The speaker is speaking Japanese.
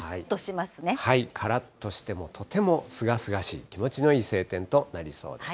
はい、からっとして、とてもすがすがしい、気持ちのいい晴天となりそうです。